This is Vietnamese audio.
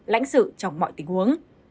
lãnh sự trong mọi tình huống